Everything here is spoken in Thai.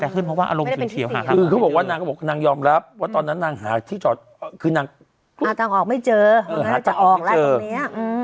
แต่ขึ้นเพราะว่าอารมณ์ไม่ได้เป็นชุนเฉียวคือเขาบอกว่านางก็บอกว่านางยอมรับว่าตอนนั้นนางหาที่เจาะคือนางอ่าทางออกไม่เจอ